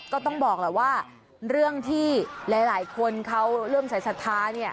ก็ต้องบอกแหละว่าเรื่องที่หลายคนเขาเริ่มใส่สัทธา